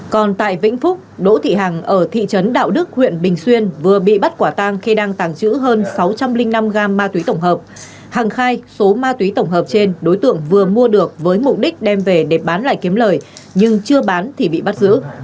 còn tại vĩnh phúc đỗ thị hằng ở thị trấn đạo đức huyện bình xuyên vừa bị bắt quả tang khi đang tàng trữ hơn sáu trăm linh năm gam ma túy tổng hợp hằng khai số ma túy tổng hợp trên đối tượng vừa mua được với mục đích đem về để bán lại kiếm lời nhưng chưa bán thì bị bắt giữ